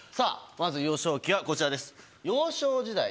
まず幼少期はこちらです。